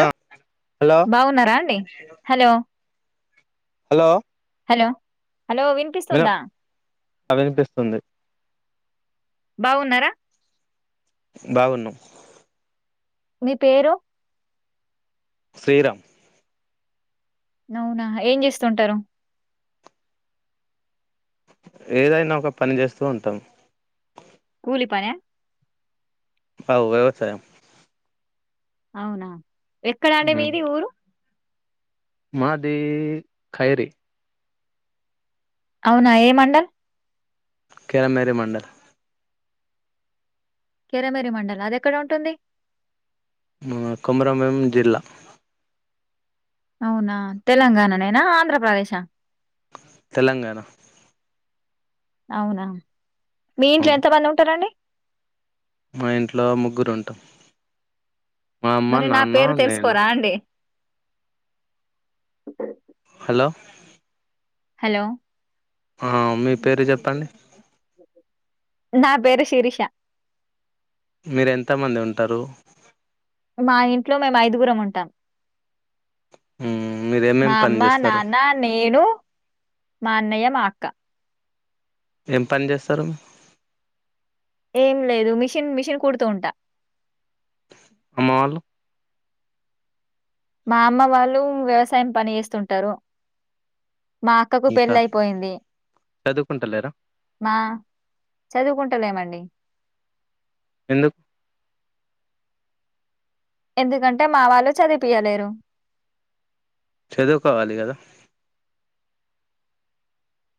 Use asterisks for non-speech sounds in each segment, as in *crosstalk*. ఆ హలో బాగున్నారా అండి హలో హలో హలో హలో వినిపిస్తుందా అ వినిపిస్తుంది బాగున్నారా బాగున్నాం మీ పేరు శ్రీరామ్ అవునా ఏం చేస్తుంటారు ఏదైనా ఒక పని చేస్తూ ఉంటాం కూలి పనా అవు వ్యవసాయం అవునా ఎక్కడండడి మీది ఊరు మాది ఖైరి అవునా ఏ మండల్ కిరమేరి మండల్ కిరమేరి మండల అది ఎక్కడ ఉంటుంది కొమరమం జిల్లా అవునా తెలంగాణ నేనా ఆంధ్రప్రదేశా తెలంగాణ అవునా మీ ఇంట్లో అవును ఎంతమంది ఉంటారండి మా ఇంట్లో ముగ్గురు ఉంటాం మా అమ్మ మరి నా నాన్న పేరు నేను తెలుసుకోరా అండి అ హలో హలో ఆ మీ పేరు చెప్పండి నా పేరు శిరిషా మీరు ఎంతమంది ఉంటారు మా ఇంట్లో మేము ఐదుగురం ఉంటాం మీరు ఏమేం మా పని అమ్మ చేస్తారు నాన్న నేను మా అన్నయ్య మా అక్క ఏం పని చేస్తారు ఏం లేదు మిషన్ మిషన్ కుడుతూ ఉంటా అమ్మ వాళ్ళు మా అమ్మ వాళ్ళు వ్యవసాయం పని చేస్తుంటారు మా అక్కకు ఇంకా పెళ్ళి అయిపోయింది చదువుకుంటలేరా మా చదువుకుంట లేను అండి ఎందుకు ఎందుకంటే మా వాళ్ళు చదిపియలేరు చదువుకొవాలి కదా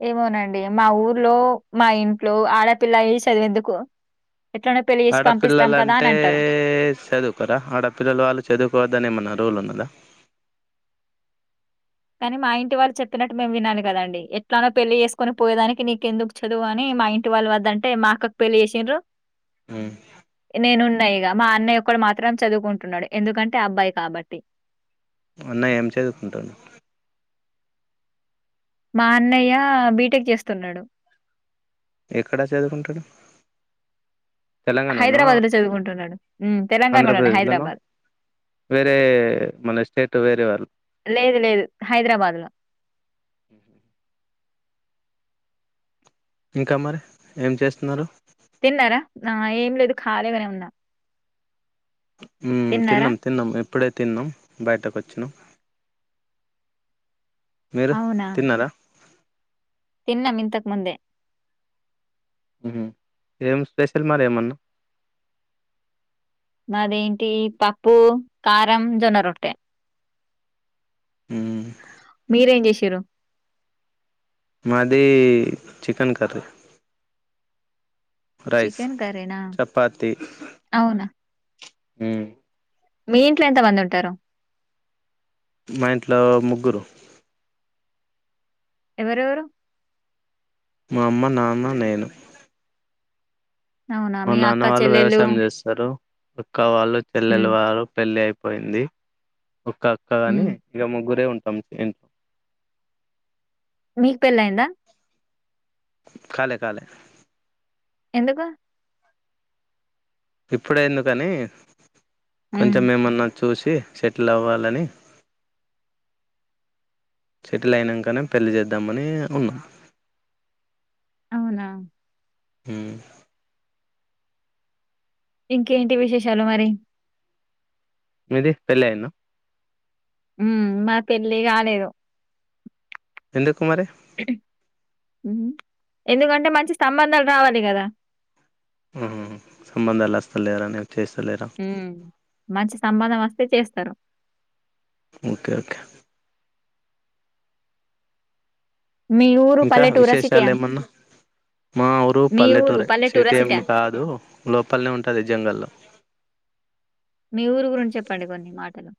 ఏమోనండి మా ఊర్లో మా ఇంట్లో ఆడపిల్లయి చదివేందుకు ఆడపిల్లలంటే చదువుకొరా ఆడపిల్లలు వాళ్ళు చదువుకోవద్దని ఏమన్నా రూల్ ఉన్నిందా కానీ మా ఇంటి వాళ్ళు చెప్పినట్టు మేము వినాలి కదండి ఎట్లానో పెళ్ళి చేసుకునే పోయేదానికి నీకెందుకు చదువు అని మా ఇంటి వాళ్ళ వద్దంటే మా అక్కకు పెళ్ళి చేసిన్రు ఉమ్. నేను ఉన్నా ఇగ మా అన్నయ్య ఒక్కడు మాత్రం చదువుకుంటున్నాడు ఎందుకంటే అబ్బాయి కాబట్టి ఏం చదువుకుంటుండు మా అన్నయ్య బీటెక్ చేస్తున్నాడు ఎక్కడా చదువుకుంటాడు తెలంగాణనో హైదరాబాద్ లో చదువుకుంటున్నాడు తెలంగాణలోనే ఆంధ్రప్రదేశ్లోనో హైదరాబాద్ వేరే మన స్టేట్ వేరే వాళ్ళు లేదు లేదు హైదరాబాద్లో ఇంకా మరి ఏం చేస్తున్నారు తిన్నారా నా ఏం లేదు ఖాళీగానే ఉన్న మ్మ్ తిన్నాం తిన్నాం ఇప్పుడే తిన్నాం బయటకు వచ్చినాం మీరు అవునా! తిన్నారా తిన్నాం ఇంతకు ముందే ఏం స్పెషల్ మరి ఏమన్నా అదేంటి పప్పు కారం జొన్న రొట్టె మ్మ్ మీరేం చేసి సిరు మాది చికెన్ కర్రీ రైస్ చికెన్ కర్రీనా? చపాతి అవునా! హమ్ మీ ఇంట్లో ఎంత మంది ఉంటారు మా ఇంట్లో ముగ్గురు ఎవరెవరు మా అమ్మ నాన్న నేను అవునా! మా మీ నాన్న అక్క, వాళ్ళు చెల్లెళ్ళు వ్యవసాయం చేస్తారు అక్కవాళ్ళు చెల్లెలు హ్మ్. వాళ్ళు పెళ్లి అయి పోయింది ఒక్క అక్క గాని హ్మ్. ఇగా ముగ్గురే ఉ ఎం ఎన్ మీకు పెళ్లయిందా కాలే కాలే ఎందుకు ఇప్పుడే ఎందుకని హ్మ్. కొంచెం ఏమన్నాచ్చు చూసి సెటిల్ అవ్వాలని సెటిల్ అయినాకనే పెళ్లి చేద్దామని ఉన్నా అవునా హుమ్ ఇంకేంటి విశేషాలు మరి మీది పెళ్లయిందా ఉమ్ మా పెళ్ళి కాలేదు ఎందుకు మరి ఎందుకంటే మంచి సంబంధాలు రావాలి కదా ఆ సంబంధాలు వస్తలేరని చేస్తలేరా హ్మ్. మంచి సంబంధం వస్తే చేస్తారు ఓకే ఓకే మీ ఊరు ఇంకా పల్లెటూరా? విశేషాలు సిటీయా? ఏమన్నా మా ఊరు మీ ఊరు పల్లెటూరే పల్లెటూరా? సిటీ ఏం సిటా? కాదు లోపలనే ఉంటుంది జంగల్లో మీ ఊరు గురించి చెప్పండి కొన్ని మాటలు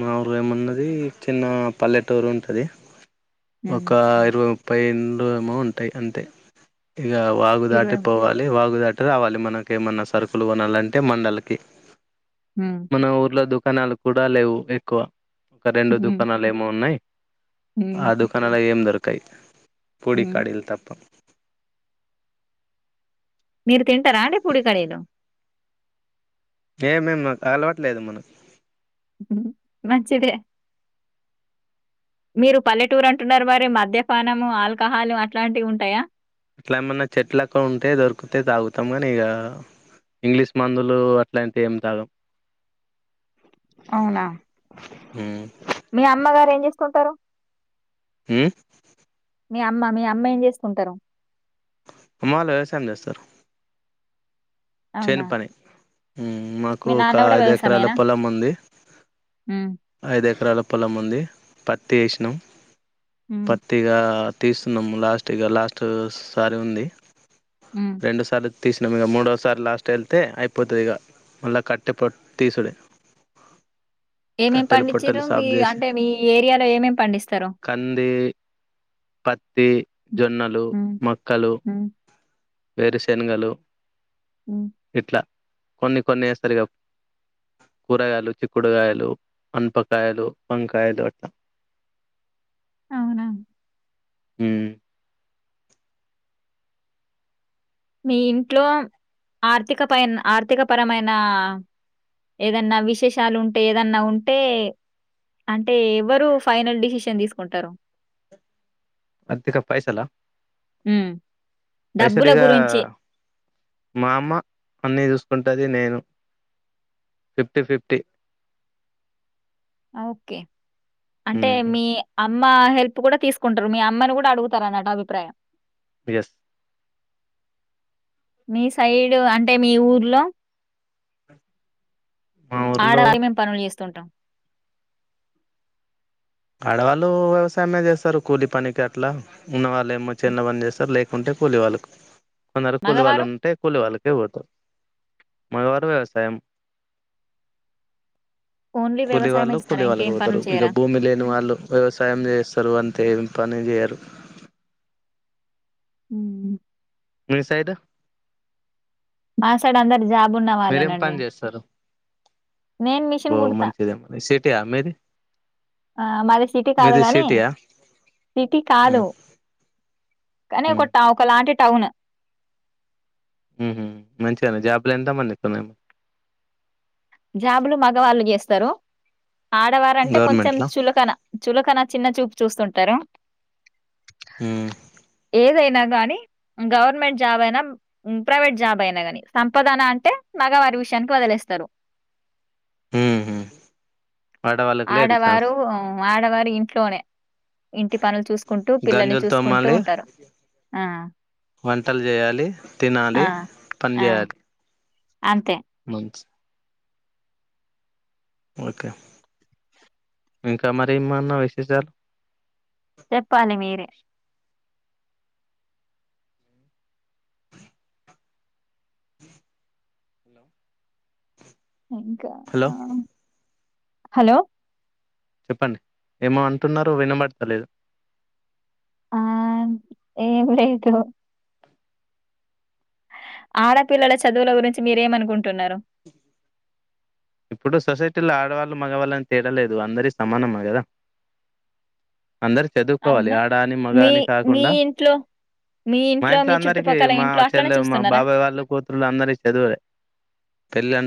మా ఊరు ఏమున్నది చిన్న పల్లెటూరు ఉంటది హ్మ్. ఒక ఇరవై ముప్పై ఇండ్లు ఏమో ఉంటాయి అంతే ఇగా వాగు దాటి పోవాలి వాగుదాటి రావాలి మనకి ఏమన్నా సరుకులు కొనాలంటే మండలకి హ్మ్. మన ఊర్లా దుక్ కణాలు కూడా లేవు ఎక్కువ ఒక రెండు హ్మ్. దుకాణాలు ఏమో ఉన్నాయి హ్మ్. ఆ దుకానాల ఏం దొర కై పొడి హ్మ్. కడిలు తప్ప మీరు తింటారా అండి పూడి కడిలు ఏ మేం నాకు అలవట్లేదు మనకు మంచిదే మీరు పల్లెటూరు అంటున్నారు మరి మద్యపానము ఆల్కహాలు అట్లాంటివి ఉంటాయా అట్లా ఏమన్నా చెట్ లక్క ఉంటే దొరికితే తాగుతాం కానీ ఇక ఇంగ్లీష్ మందులు అట్లాంటివి ఏం తాగం అవునా ఉమ్. మీ అమ్మగారు ఏం చేస్ కుంటారు మ్ మీ అమ్మ మీ అమ్మ ఏం చేసుకుంటారు అమ్మ వాళ్ళ వ్యవసాయం చేస్తారు చేను అవునా? పని మాకు మీ ఒక నాన్న గూడా ఐదు ఎకరాల వ్యవసాయమేనా? పొలం ఉంది హ్మ్. ఐదు ఎకరాల పొలం ఉంది పత్తి వేసిన హ్మ్. పత్గా తీస్తున్నాము లాస్ట్ ఇగా లాస్ట్ సారి ఉంది హ్మ్. రెండు సాల తీస న మూడ సారి లాస్ట్ వెళ్తే అయిపోతుంది ఇక మళ్ళీ కట్టే పట్ తీసుడు ఏమేమి పండించారు మీ అంటే మీ ఏరియాలో ఏమేమి పండిస్తారు పతి జొన్నలు హ్మ్. మక్కలు హ్మ్. వేరు శనగలు హ్మ్. ఎట్లా కొన్ని కొన్నిసరిగా కూరగాయలు చిక్కుడుగాయలు అంపకాయలు వంకాయలు అట్లా అవునా హ మీ ఇంట్లో ఆర్థిక పై ఆర్థిక పరమైన ఏదన్నా విశేషాలు ఉంటే ఏదన్నా ఉంటే, అంటే ఎవరు ఫైనల్ డిసిషన్ తీసుకుంటారు. అధిక పైసాల ఉమ్ పైసలు డబ్బుల ఇగ గురించి మా అమ్మ అన్నీ చూసుకుంటుది నేను ఫిఫ్టీ ఫిఫ్టీ ఓకే అంటే మీ ఆ అమ్మ హెల్ప్ కూడా తీసుకుంటారు మీ అమ్మని కూడా అడుగుతారున్నట అభిప్రాయం బస్ మీ సైడ్ అంటే మీ ఊర్లో మా ఊర్లో ఆడవాళ్ళం మేము పనులు చేస్తాం తుంటాం *unintelligible* ఆడవాళ్ళు వ్యవసాయమే చేస్తారు కూలి పనికి అట్లా ఉన్నవారు లేమో చల్ల పని చేస్తారు లేక ఉంటే కూలి వాళ్ళకు కొందరు కూలి వాళ్ళు మగవారు ఉంటే కూలి వాళ్ళకి మగవారు వ్యవసాయం ఓన్లీ కూలి వ్యవసాయమే వాళ్ళు చేస్తారా? కూలీ ఇంకేం వాళ్ళకితారు పనులు ఇక చేయరా? భూమి లే వాళ్ళు వ్యవసాయం చేస్తారు అంటే ఏ పని చేయరు ఉఉ మీ సైడ్ మా సైడ్ అందరు జాబ్ ఉన్న మీరేం వాలేనండి పని చేస్తారు నేను మిషన్ బో కుడుత మంచిదే మరి సిటీయా మీది ఆ మాది సిటీ కాదు మీది గానీ సిటీయా సిటీ కాదు ఉమ్ కానీ ఉమ్ ఒక టవకలా మాది టౌన్ ఉహు మంచిగానే జాబ్లో ఎంతమంది ఉన్నట్టు మ్యామ్ జాబులు మగవాళ్ళు చేస్తారు ఆడవారంటే కొంచెం గవర్నమెంట్ లో చులకన చులకన చిన్న చూపు చూస్తుంటారు ఉమ్ ఏదైనా కానీ గవర్నమెంట్ జాబ్ అయినా ప్రైవేట్ జాబ్ అయినా గాని సంపాదన అంటే మగ వారి విషయానికి వదిలేస్తారు ఉహు ఆడవాళ్ళకి లేదు ఛాన్స్ ఆడవారు ఆడవారు ఇంట్లోనే ఇంటి పనులు చూసుకుంటూ పిల్లల్ని గంజులు చూసుకుంటూ తోమాలి ఉంటారు ఆ వంటలు చేయాలి తినాలి ఆ పని ఆ చేయాలి అంతే మంచి ఓకే ఇంకా మరి ఏమన్నా విశేషాలు చెప్పాలి మీరే హ ఇంకా హలో ఆ హలో చెప్పండి ఏమో అంటున్నారో వినబడతలేదు ఆ ఏం లేదు ఆడపిల్లల చదువుల గురించి మీరేమనుకుంటున్నారు ఇప్పుడు సొసైటీలో ఆడవాళ్ళు మగవాళ్ళని తేడలేదు అందరి సమానమ్మా కదా అందరు చదువుకోవాలి అవునా? ఆడ అని మగ మీ అని మీ కాకుండా ఇంట్లో, మీ మా ఇంట్లో మీ అందరికి చుట్టుపక్కల మా ఇంట్లో అట్లనే చెల్లె మా చూస్తున్నారా? బాబాయ్ వాళ్ళు కూతుళ్ళు అందరిక చదువలే పెళ్లి అ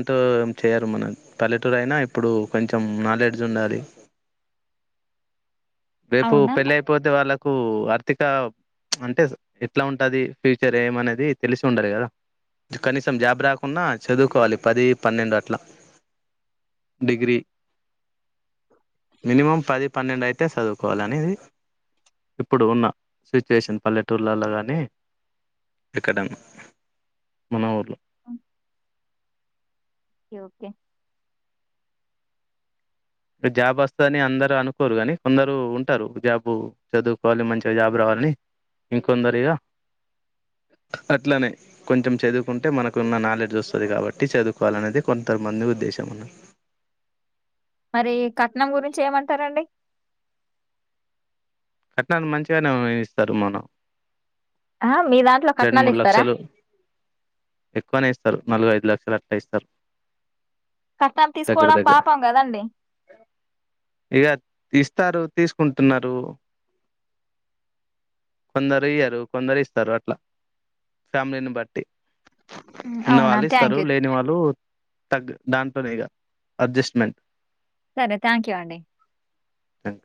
చేయరు మన పల్లెటూరు అయినా ఇప్పుడు కొంచెం నాలెడ్జ్ ఉండాలి రేపు అవునా? పెళ్ళి అయిపోతే వాళ్ళకు నాకు ఆర్థిక అంటే ఎట్లా ఉంటుంది ఫ్యూచర్ ఏమనేది తెలిసి ఉండలి కదా కనీసం జాబ్ రాకుంన్నా చదువుకోవాలి పది పన్నెండు అట్లా డిగ్రి మినిమం పది పన్నెండయి అట్టే చదువుకోవాలనేది ఇప్పుడు ఉన్న సిచ్యువేషన్ పల్లెటూర్లలో కానీ ఎక్కడ మన ఊర్లో ఓకే ఓకే జాబ్ వస్తుందని అందరూ అనుకోరు కానీ కొందరు ఉంటారు జాబు చదువుకోవాలి మంచిగా జాబ్ రావాలని ఇంకొందరిగా అట్లనే కొంచెం చదువుకుంటే మనకున్న నాలెడ్జ్ వస్తుంది కాబట్టి చదువుకోవాల అనేది కొంతమంది ఉద్దేశం రి కట్నం గురించి ఏమంటారండి కట్నాలు మంచిగానే ఇస్తారు మనం ఆ! మీ దాంట్లో రెండు మూడు కట్నాలిస్తారా? లక్షలు ఎక్కువనే ఇస్తారు నలుగై లా సెలెక్ట్ అయిస్తారు కట్నం తీసుకోవడం పాపాం కదండి ఇగ ఇస్తారు తీసుకుంటున్నారు కొందరు ఇయ్యరు కొందరు ఇస్తారు అట్లా ఫ్యామిలీని బట్టి హ్మ్. అవునా? ఉన్నవాళ్ళు థ్యాంక్ ఇస్తారు యూ. లేని వాళ్ళు తగ్ దాంట్నేగా అడ్జస్ట్మెంట్ సరే థ్యాంక్ యూ అండి థ్యాం యూ